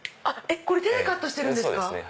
手でカットしてるんですか！